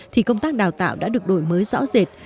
thì công tác đào tạo đã được đổi mới rõ rệt